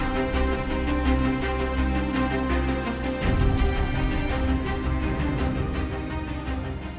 โปรดติดตามตอนต่อไป